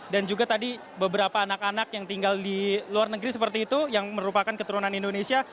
dan juga tadi beberapa anak anak yang tinggal di luar negeri seperti itu yang merupakan keturunan indonesia